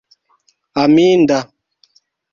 aminda